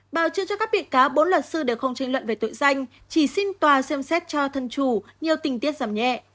bào chứa cho các bị cáo bốn luật sư đều không trình luận về tội danh chỉ xin tòa xem xét cho thân chủ nhiều tình tiết giảm nhẹ